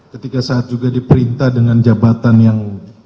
ketika saat juga diperintah dengan jabatan yang